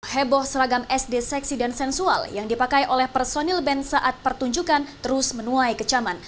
heboh seragam sd seksi dan sensual yang dipakai oleh personil band saat pertunjukan terus menuai kecaman